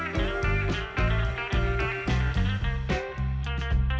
nhiệt độ thấp nhất